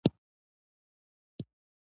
د پښتنو ژبه به تل ژوندی وي.